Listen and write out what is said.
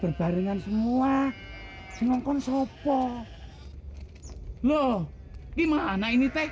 berbarengan semua senongkon sopo loh gimana ini